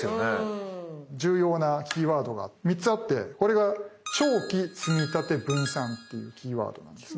重要なキーワードが３つあってこれが長期積立分散っていうキーワードなんですね。